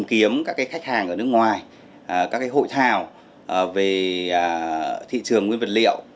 tìm kiếm các khách hàng ở nước ngoài các hội thảo về thị trường nguyên vật liệu